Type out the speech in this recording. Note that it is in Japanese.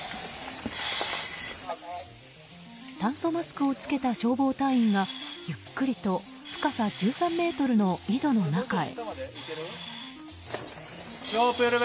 酸素マスクをつけた消防隊員がゆっくりと深さ１３ｍの井戸の中へ。